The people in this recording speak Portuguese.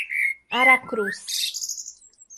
Aracruz